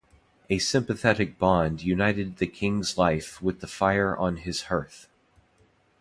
A sympathetic bond united the king's life with the fire on his hearth.